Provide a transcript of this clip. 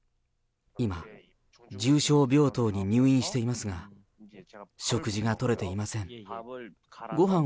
今、重症病棟に入院していますが、食事がとれていません。